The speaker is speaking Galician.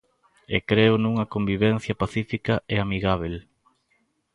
E creo nunha convivencia pacífica e amigábel.